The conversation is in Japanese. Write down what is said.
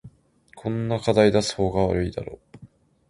こんな課題出す方が悪いだろ